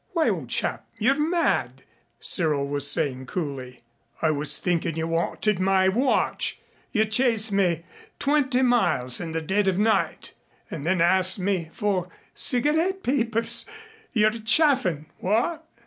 "Why, old chap, you're mad," Cyril was saying coolly. "I was thinkin' you wanted my watch. You chase me twenty miles in the dead of night and then ask me for cigarette papers. You're chaffin' what?"